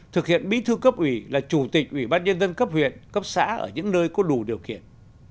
thực hiện bí thư cấp ủy là chủ tịch ủy ban nhân dân cấp huyện cấp xã ở những nơi có đủ điều kiện